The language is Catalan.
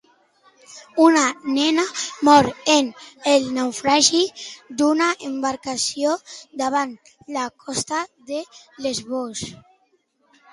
Una nena mor en el naufragi d'una embarcació davant la costa de Lesbos.